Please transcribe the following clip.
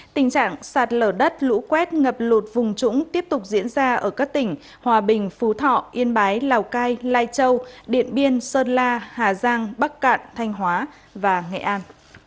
tình trạng sạt lở đất lũ quét ngập lụt vùng trũng tiếp tục diễn ra ở các tỉnh hòa bình phú thọ yên bái lào cai lai châu điện biên sơn la hà giang bắc cạn thanh hóa và nghệ an